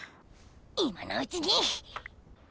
今のうちに！